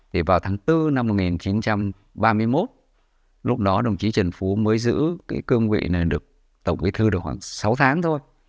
thì vào tháng bốn năm một nghìn chín trăm ba mươi một lúc đó đồng chí trần phú mới giữ cái cương vị này được tổng bí thư được khoảng sáu tháng thôi